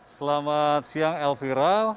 selamat siang elvira